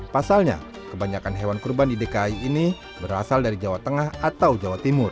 pasalnya kebanyakan hewan kurban di dki ini berasal dari jawa tengah atau jawa timur